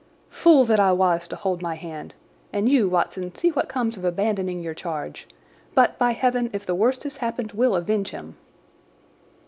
"Fool that I was to hold my hand. And you, Watson, see what comes of abandoning your charge! But, by Heaven, if the worst has happened we'll avenge him!"